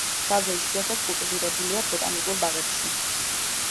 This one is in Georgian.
ძალზე იშვიათად კულტივირებულია ბოტანიკურ ბაღებში.